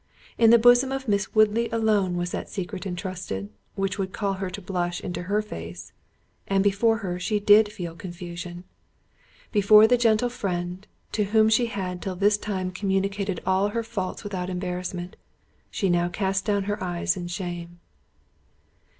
In the bosom of Miss Woodley alone was that secret entrusted which could call a blush into her face, and before her, she did feel confusion—before the gentle friend, to whom she had till this time communicated all her faults without embarrassment, she now cast down her eyes in shame.